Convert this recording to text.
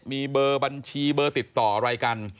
มีเบอร์บัญชีเบอร์ติดต่ออะไรกัน